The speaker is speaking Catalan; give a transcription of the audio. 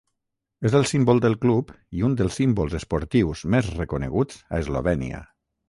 És el símbol del club i un dels símbols esportius més reconeguts a Eslovènia.